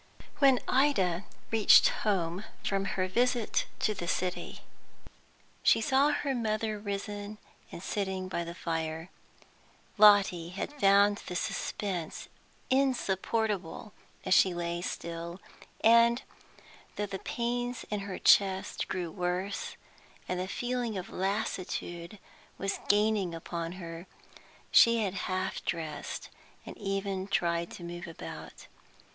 When Ida reached home from her visit to the City, she saw her mother risen and sitting by the fire. Lotty had found the suspense insupportable as she lay still, and, though the pains in her chest grew worse and the feeling of lassitude was gaining upon her, she had half dressed, and even tried to move about.